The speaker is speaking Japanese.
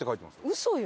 嘘よ。